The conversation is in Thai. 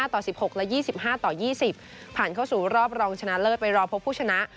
ต่อ๑๖และ๒๕ต่อ๒๐ผ่านเข้าสู่รอบรองชนะเลิศไปรอพบผู้ชนะ